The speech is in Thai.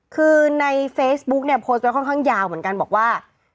คือในเฟซบุ๊กเนี่ยโพสต์ไว้ค่อนข้างยาวเหมือนกันบอกว่า